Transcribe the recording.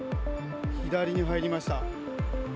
左に入りました。